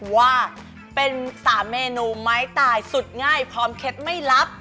ว่าเป็น๓เมนูไม้ตายสุดง่ายพร้อมเคล็ดไม่ลับ